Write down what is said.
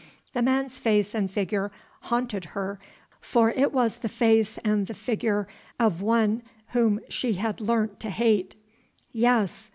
The man's face and figure haunted her for it was the face and the figure of one whom she had learnt to hate. Yes!